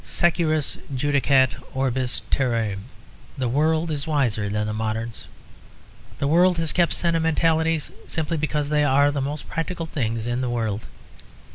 Securus judicat orbis terrarum; the world is wiser than the moderns. The world has kept sentimentalities simply because they are the most practical things in the world.